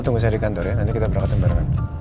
tunggu saya di kantor ya nanti kita berangkat barengan